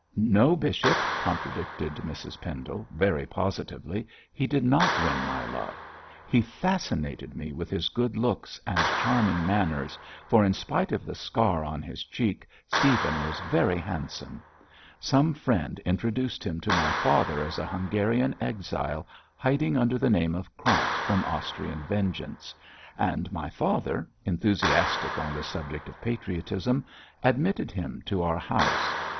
'No, bishop,' contradicted Mrs Pendle, very positively, 'he did not win my love; he fascinated me with his good looks and charming manners, for in spite of the scar on his cheek Stephen was very handsome. Some friend introduced him to my father as a Hungarian exile hiding under the name of Krant from Austrian vengeance; and my father, enthusiastic on the subject of patriotism, admitted him to our house.